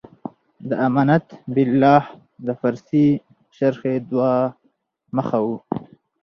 د امنت بالله د پارسي شرحې دوه مخه و.